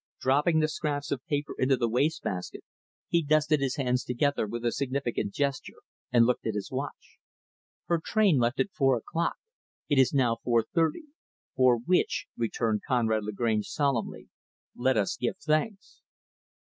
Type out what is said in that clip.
Dropping the scraps of paper into the waste basket, he dusted his hands together with a significant gesture and looked at his watch. "Her train left at four o'clock. It is now four thirty." "For which," returned Conrad Lagrange, solemnly, "let us give thanks."